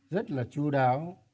rất là chu đáo